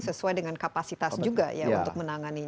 sesuai dengan kapasitas juga ya untuk menangani